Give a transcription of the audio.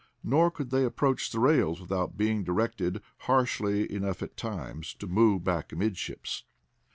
Nor could they approach the rails without being directed, harshly enough at times, to move back amidships.